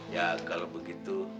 ya kalau begitu